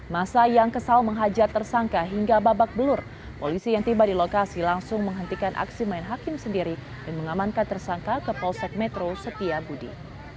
masa yang kesal menghajar tersangka hingga babak belur polisi yang tiba di lokasi langsung menghentikan aksi main hakim sendiri dan mengamankan tersangka ke polsek metro setiabudi